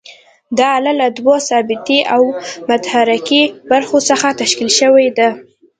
دا آله له دوو ثابتې او متحرکې برخو څخه تشکیل شوې ده.